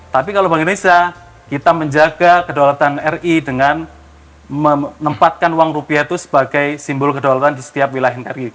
tapi kalau bank indonesia kita menjaga kedaulatan ri dengan menempatkan uang rupiah itu sebagai simbol kedaulatan di setiap wilayah nkri